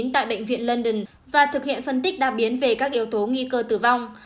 tại bệnh viện london và thực hiện phân tích đạp biến về các yếu tố nghi cơ tử vong